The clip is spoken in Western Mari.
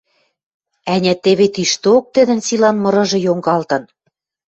— Ӓнят, теве тишток тӹдӹн силан мырыжы йонгалтын?